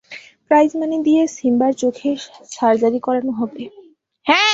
Prize money দিয়ে সিম্বার চোখের surgery করানো হবে।